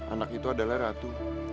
anak itu adalah ratu